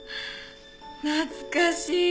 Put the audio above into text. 懐かしい。